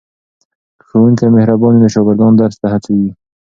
که ښوونکی مهربان وي نو شاګردان درس ته هڅېږي.